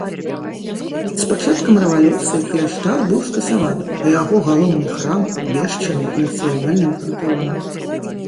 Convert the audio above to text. З пачаткам рэвалюцыі кляштар быў скасаваны, а яго галоўны храм абвешчаны нацыянальным пантэонам.